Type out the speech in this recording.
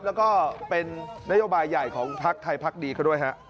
แล้วก็เป็นนโยบายใหญ่ของพักไทยพักดีเขาด้วยฮะ